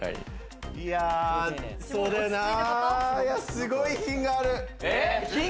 すごい品がある。